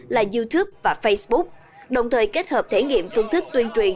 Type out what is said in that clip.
là youtube và facebook đồng thời kết hợp thể nghiệm phương thức tuyên truyền